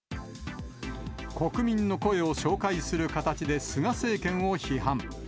国民の声を紹介する形で菅政権を批判。